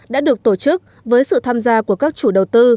đã được tổ chức với sự tham gia của các chủ đầu tư